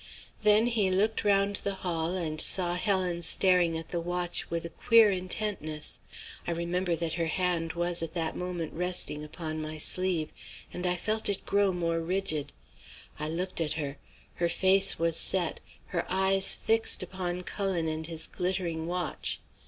Then he looked round the hall and saw Helen staring at the watch with a queer intentness. I remember that her hand was at that moment resting upon my sleeve, and I felt it grow more rigid. I looked at her; her face was set, her eyes fixed upon Cullen and his glittering watch.